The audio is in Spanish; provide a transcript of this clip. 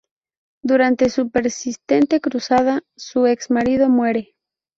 Durante su persistente cruzada, su ex-marido muere.